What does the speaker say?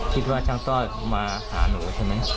คิดว่าช่างต้อยมาหาหนูใช่ไหม